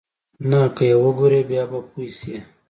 نه که ويې وګورې بيا به پوى شې.